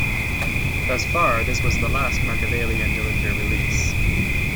Thus far, this was the last Makaveli and Dillinger release.